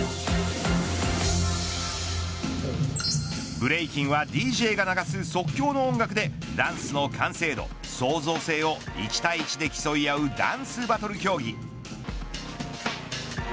ブレイキンはＤＪが流す即興の音楽でダンスの完成度、創造性を１対１で競い合うダンスバトル競技。